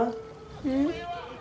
うん？